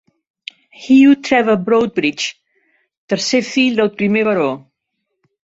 Hugh Trevor Broadbridge, tercer fill del primer baró.